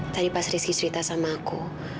tadi pas rizky cerita sama aku